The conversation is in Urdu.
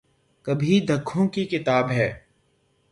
کبھی دکھوں کی کتاب ہے